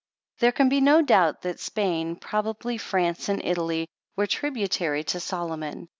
There can be no doubt that Spain, probably France and Italy, were tributary to Solomon.